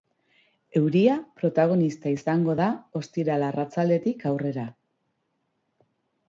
Euria protagonista izango da ostiral arratsaldetik aurrera.